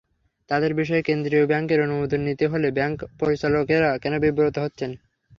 তাঁদের বিষয়ে কেন্দ্রীয় ব্যাংকের অনুমোদন নিতে হলে ব্যাংক পরিচালকেরা কেন বিব্রত হচ্ছেন।